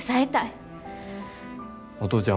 お父ちゃん